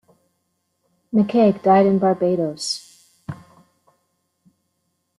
McCaig died in Barbados.